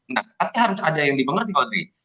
nah tapi harus ada yang dimengerti audrey